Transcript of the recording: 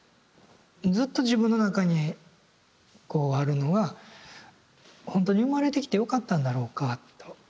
ずっと自分の中にこうあるのが「ほんとに生まれてきてよかったんだろうか」と。